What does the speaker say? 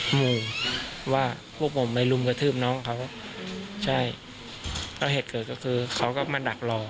งงว่าพวกผมไปรุมกระทืบน้องเขาใช่แล้วเหตุเกิดก็คือเขาก็มาดักรอ